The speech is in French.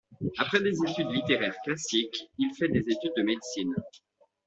Après des études littéraires classiques, il fait des études de médecine.